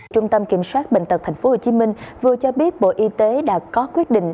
trung tâm kiểm soát bệnh tật tp hcm vừa cho biết bộ y tế đã có quyết định